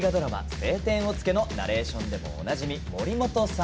「青天を衝け」のナレーションでもおなじみの守本さん。